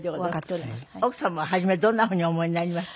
奥様は初めどんなふうにお思いになりました？